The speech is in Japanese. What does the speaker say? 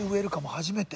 初めて。